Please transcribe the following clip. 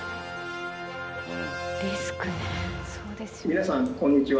「皆さんこんにちは」。